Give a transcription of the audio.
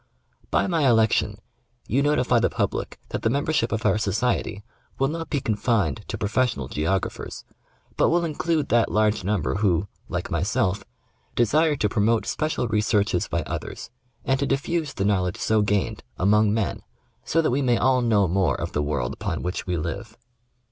By my election you notify the public that the membership of our Society will not be confined to professional geographers, but will include that large number who, like myself, desire to pro mote special researches by others, and to diffuse the knowledge «o gained, among men, so that we may all know more of the world upon which we live.